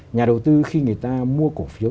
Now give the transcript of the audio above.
nhà đầu tư khi người ta mua cổ phiếu